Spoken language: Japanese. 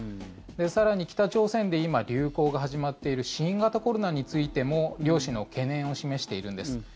更に、北朝鮮で今流行が始まっている新型コロナについても両首脳は懸念を示しているんです。